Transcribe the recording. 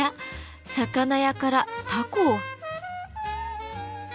魚屋からタコ！